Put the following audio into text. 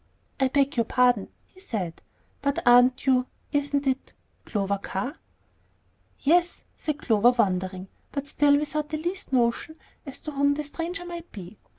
"I beg your pardon," he said; "but aren't you isn't it Clover Carr?" "Yes," said Clover, wondering, but still without the least notion as to whom the stranger might be.